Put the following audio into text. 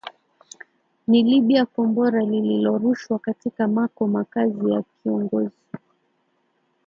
ni libya kombora lililorushwa katika mako makazi ya kiongozi